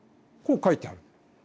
こう書いてある。